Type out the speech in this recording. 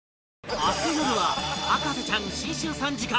明日よるは『博士ちゃん』新春３時間